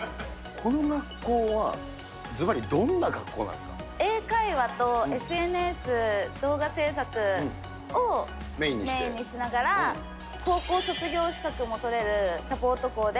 この学校は、ずばりどんな学英会話とＳＮＳ、動画制作をメインにしながら、高校卒業資格も取れるサポート校で。